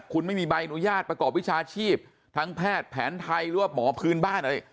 คุณไม่มีใบอนุญาตประกอบวิชาชีพทั้งแพทย์แผนไทยหรือว่าหมอพื้นบ้านอะไร